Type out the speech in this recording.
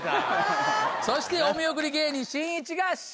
そしてお見送り芸人しんいちが白。